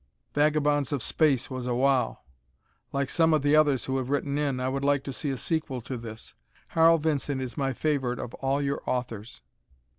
"Vagabonds of Space" was a wow. Like some of the others who have written in, I would like to see a sequel to this. Harl Vincent is my favorite of all your authors.